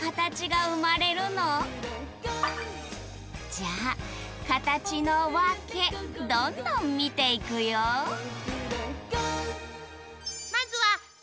じゃあカタチのワケどんどん見ていくよカモン！